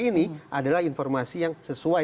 ini adalah informasi yang sesuai